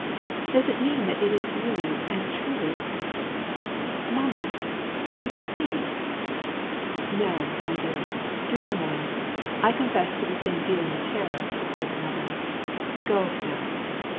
Does it mean that it is really and truly ? Mamma, are you asleep ?" "No, my dear — dusha mdya — I confess to the same feel ing of terror," replied the mother. " GrO, now